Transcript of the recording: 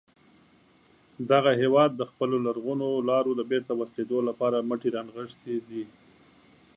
دغه هیواد د خپلو لرغونو لارو د بېرته وصلېدو لپاره مټې را نغښتې دي.